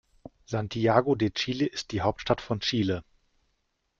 Santiago de Chile ist die Hauptstadt von Chile.